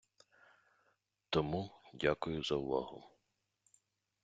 Тому, дякую за увагу!